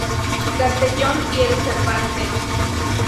Castellón y el Cervantes.